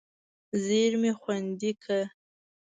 زېرمې خوندي کړه.